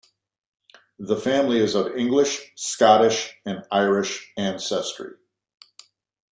The family is of English, Scottish and Irish ancestry.